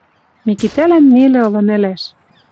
Микитӓлӓн нелӹ ылын ӹлӓш.